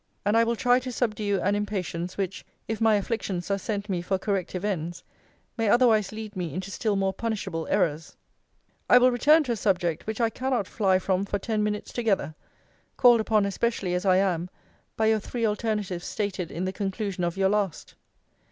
And I will try to subdue an impatience, which (if my afflictions are sent me for corrective ends) may otherwise lead me into still more punishable errors. I will return to a subject, which I cannot fly from for ten minutes together called upon especially, as I am, by your three alternatives stated in the conclusion of your last.